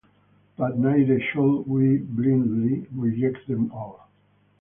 But neither should we blindly reject them all.